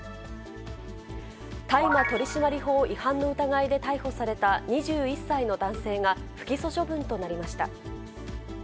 大麻取締法違反の疑いで逮捕された２１歳の男性が、不起訴処分となりました。